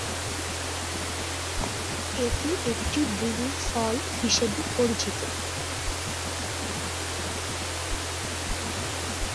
এটি একটি বুনো ফল হিসেবে পরিচিত।